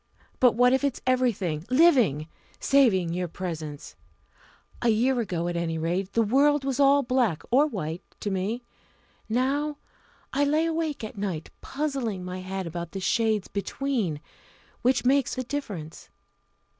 But what if it's everything? living? saving your presence! A year ago at any rate the world was all black or white to me. Now I lie awake at night, puzzling my head about the shades between which makes the difference.